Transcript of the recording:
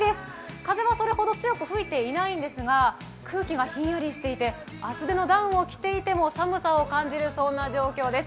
風もそれほど強く吹いていないんですが、空気がひんやりしていて厚手のダウンを着ていても寒さを感じる、そんな状況です。